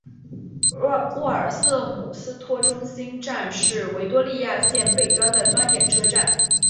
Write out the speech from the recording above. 沃尔瑟姆斯托中心站是维多利亚线北端的端点车站。